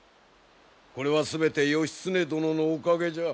これは全て義経殿のおかげじゃ。